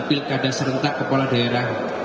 pilkada serentak kepala daerah